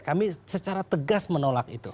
kami secara tegas menolak itu